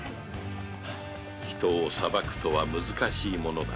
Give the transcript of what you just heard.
人を裁くとは難しいものだ